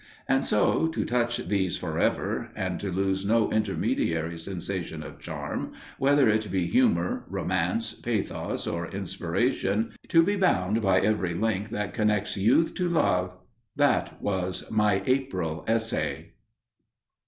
And so, to touch these forever, and to lose no intermediary sensation of charm, whether it be humour, romance, pathos or inspiration, to be bound by every link that connects Youth to Love, that was my April essay!